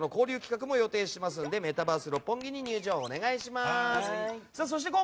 ゲストとの交流企画も予定していますのでメタバース六本木に入場をお願いします。